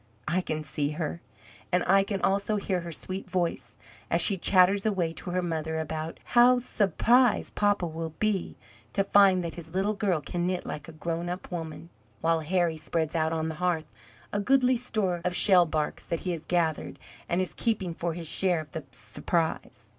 I can see her, and I can also hear her sweet voice as she chatters away to her mother about "how 'sprised papa will be to find that his little girl can knit like a grown up woman," while Harry spreads out on the hearth a goodly store of shellbarks that he has gathered and is keeping for his share of the 'sprise.